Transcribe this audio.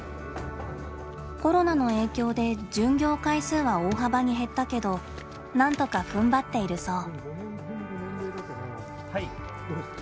コロナの影響で巡業回数は大幅に減ったけどなんとかふんばっているそう。